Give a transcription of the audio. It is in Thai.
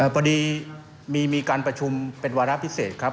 พอดีมีการประชุมเป็นวาระพิเศษครับ